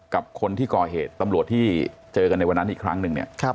กับคนที่ก่อเหตุตำรวจที่เจอกันในวันนั้นอีกครั้งหนึ่งเนี่ย